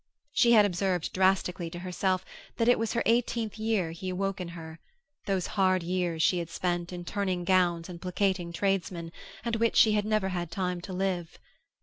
She had observed drastically to herself that it was her eighteenth year he awoke in her those hard years she had spent in turning gowns and placating tradesmen, and which she had never had time to live.